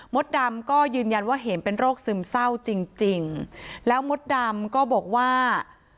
ดำก็ยืนยันว่าเห็มเป็นโรคซึมเศร้าจริงจริงแล้วมดดำก็บอกว่า